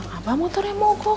ngabah motornya mogok